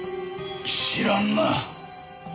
知らんな。